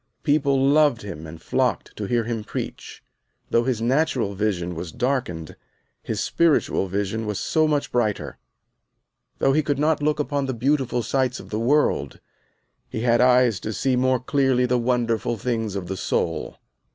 People loved him, and flocked to hear him preach. Though his natural vision was darkened, his spiritual vision was so much brighter. Though he could not look upon the beautiful sights of the world, he had eyes to see more clearly the wonderful things of the soul.